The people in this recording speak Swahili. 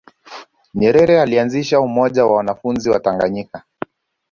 nyerere alianzisha umoja wa wanafunzi wa tanganyika